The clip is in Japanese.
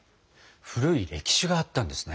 古い歴史があったんですね。